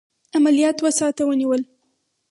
عملیات دوه ساعته ونیول.